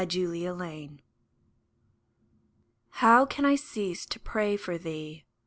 SOMEWHERE How can I cease to pray for thee